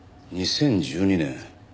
２０１２年。